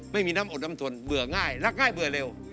ไม่มีน้ำอดน้ำทนเบื่อง่ายรักง่ายเบื่อเร็ว